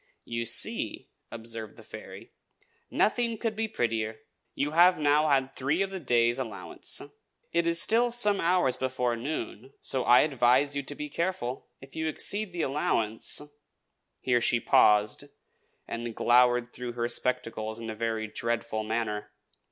"You see!" observed the fairy. "Nothing could be prettier. You have now had three of this day's allowance. It is still some hours before noon, so I advise you to be careful. If you exceed the allowance " Here she paused, and glowered through her spectacles in a very dreadful manner.